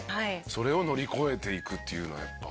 それを乗り越えていくっていうのはやっぱ。